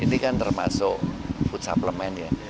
ini kan termasuk food suplement ya